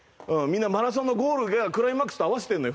みんな、マラソンのゴールクライマックスと合わせてるのよ